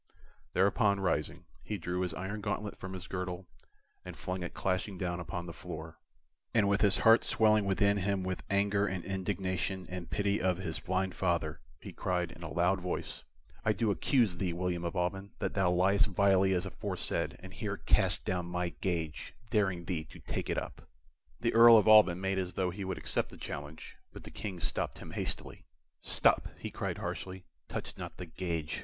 Thereupon, rising, he drew his iron gauntlet from his girdle, and flung it clashing down upon the floor, and with his heart swelling within him with anger and indignation and pity of his blind father, he cried, in a loud voice, "I do accuse thee, William of Alban, that thou liest vilely as aforesaid, and here cast down my gage, daring thee to take it up." The Earl of Alban made as though he would accept the challenge, but the King stopped him hastily. "Stop!" he cried, harshly. "Touch not the gage!